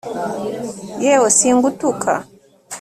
yewe singutuka